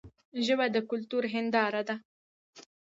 ژبه د کلتور هنداره ده.